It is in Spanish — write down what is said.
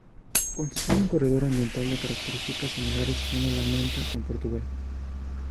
Constituye un corredor ambiental de características similares que une La Mancha con Portugal.